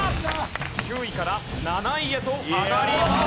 ９位から７位へと上がります。